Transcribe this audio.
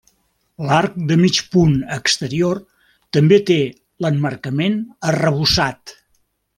L'arc de mig punt exterior també té l'emmarcament arrebossat.